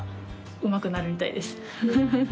うまくなるみたいです。